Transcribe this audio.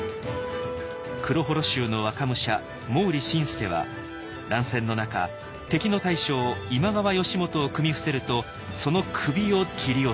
黒母衣衆の若武者毛利新介は乱戦の中敵の大将今川義元を組み伏せるとその首を切り落としたのです。